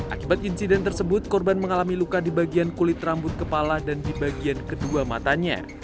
akibat insiden tersebut korban mengalami luka di bagian kulit rambut kepala dan di bagian kedua matanya